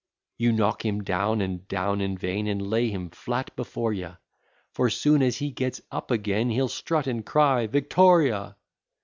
You knock him down and down in vain, And lay him flat before ye, For soon as he gets up again, He'll strut, and cry, Victoria!